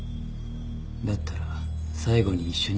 だったら最後に一緒にやろうよ。